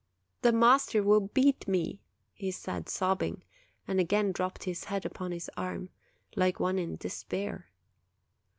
"The master will beat me," he said, sobbing; and again dropped his head upon his arm, like one in de spair.